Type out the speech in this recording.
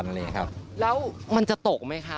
อันนี้ครับแล้วมันจะตกไหมคะ